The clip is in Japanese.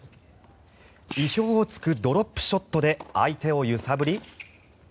意表を突くドロップショットで相手を揺さぶり。